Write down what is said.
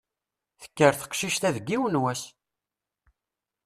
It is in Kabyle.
Tekker teqcict-a deg yiwen n wass!